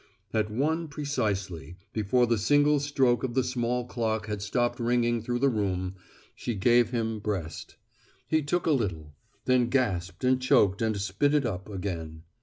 At one precisely, before the single stroke of the small clock had stopped ringing through the room, she gave him breast. He took a little, then gasped and choked and "spit it up" again.